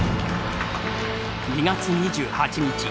２月２８日。